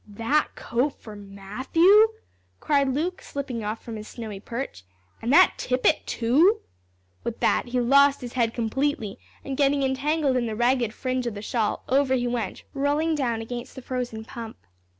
"That coat for Matthew!" cried Luke, slipping off from his snowy perch; "an' that tippet, too!" With that he lost his head completely, and, getting entangled in the ragged fringe of the shawl, over he went, rolling down against the frozen pump.